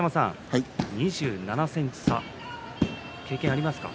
２７ｃｍ差、経験ありますか？